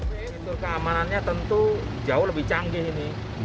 situ keamanannya tentu jauh lebih canggih ini